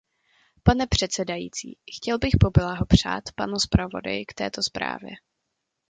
Pane předsedající, chtěl bych poblahopřát panu zpravodaji k této zprávě.